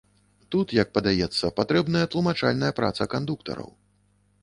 Тут, як падаецца, патрэбная тлумачальная праца кандуктараў.